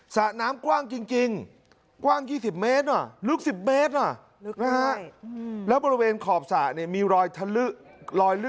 ระน้ำกว้างจริงกว้าง๒๐เมตรลึก๑๐เมตร